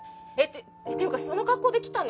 っていうかその格好で来たの？